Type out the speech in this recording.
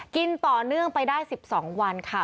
กินต่อเนื่องไปได้๑๒วันค่ะ